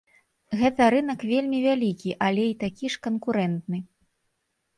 Гэта рынак вельмі вялікі, але і такі ж канкурэнтны.